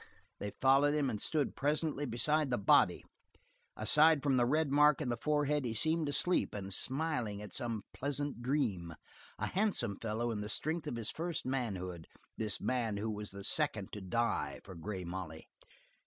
They followed him and stood presently beside the body. Aside from the red mark in the forehead he seemed asleep, and smiling at some pleasant dream; a handsome fellow in the strength of first manhood, this man who was the second to die for Grey Molly.